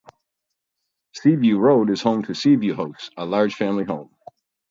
Sea View Road is home to Sea View House a large family home.